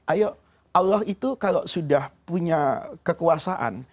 ayo allah itu kalau sudah punya kekuasaan